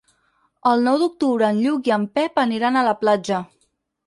El nou d'octubre en Lluc i en Pep aniran a la platja.